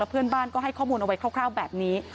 เพื่อนบ้านก็ให้ข้อมูลเอาไว้คร่าวแบบนี้